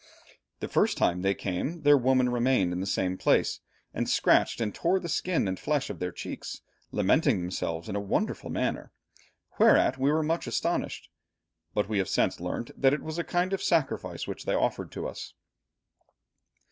"The first time they came their women remained in the same place, and scratched and tore the skin and flesh of their cheeks, lamenting themselves in a wonderful manner, whereat we were much astonished. But we have since learnt that it was a kind of sacrifice which they offered to us."